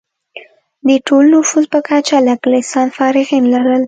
د ټول نفوس په کچه لږ لسانس فارغین لرل.